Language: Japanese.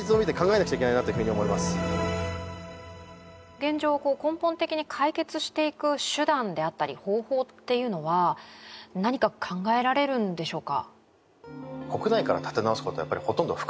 現状、根本的に解決していく手段であったり方法っていうのは何か考えられるんでしょうか？